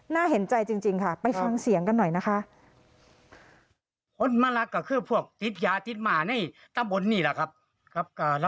น่าเห็นใจจริงค่ะไปฟังเสียงกันหน่อยนะคะ